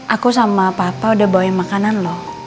aku sama papa udah bawa yang makanan loh